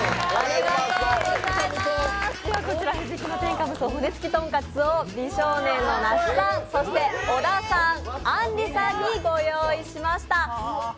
こちら、天下無双骨付とんかつを美少年の那須さん、小田さん、あんりさんにご用意しました。